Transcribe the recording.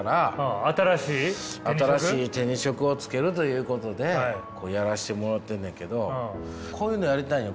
新しい手に職をつけるということでやらしてもろうてんねんけどこういうのやりたいんよ。